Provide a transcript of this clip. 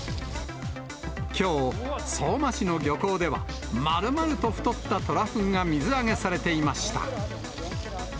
きょう、相馬市の漁港では、まるまると太ったトラフグが水揚げされていました。